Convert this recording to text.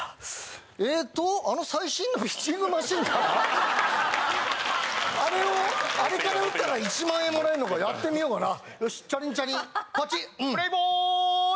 えっとあの最新のピッチングマシンからあれをあれから打ったら１万円もらえるのかやってみようかなよしチャリンチャリンパチッうんプレイボーイ！